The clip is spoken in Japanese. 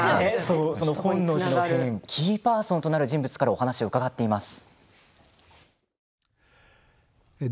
その本能寺の変でキーパーソンになる人物からもお話を伺っています。